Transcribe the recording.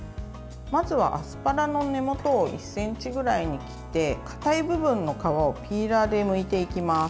まずはアスパラの根元を１ｃｍぐらいに切って硬い部分の皮をピーラーでむいていきます。